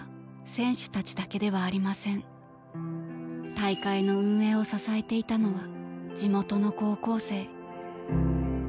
大会の運営を支えていたのは地元の高校生。